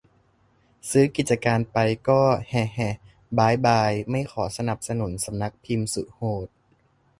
ซื้อกิจการไปก็ แหะ แหะ บ๊ายบาย ไม่ขอสนับสนุนสำนักพิมพ์สุดโหด